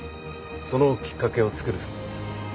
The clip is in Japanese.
そのきっかけを作る。